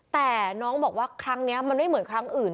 แต่น้องบอกว่าครั้งนี้มันไม่เหมือนครั้งอื่น